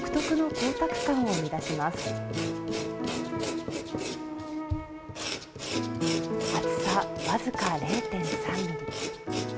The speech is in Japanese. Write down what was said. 厚さ僅か０．３ｍｍ。